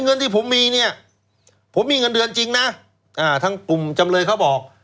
เงินที่ผมมีเนี่ยผมมีเงินเดือนจริงนะทั้งกลุ่มจำเลยเขาบอก